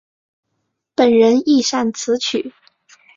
本人亦擅词曲。